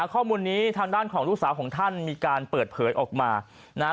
ข้อมูลนี้ทางด้านของลูกสาวของท่านมีการเปิดเผยออกมานะฮะ